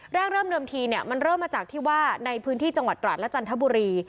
เริ่มเดิมทีเนี่ยมันเริ่มมาจากที่ว่าในพื้นที่จังหวัดตราดและจันทบุรี